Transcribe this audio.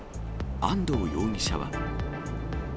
安藤容疑者は。